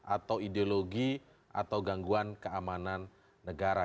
atau ideologi atau gangguan keamanan negara